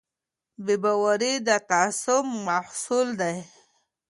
بې باوري د تعصب محصول دی